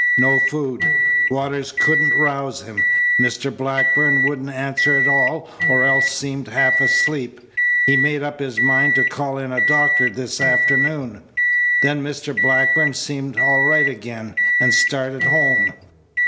No food. Waters couldn't rouse him. Mr. Blackburn wouldn't answer at all or else seemed half asleep. He'd made up his mind to call in a doctor this afternoon. Then Mr. Blackburn seemed all right again, and started home."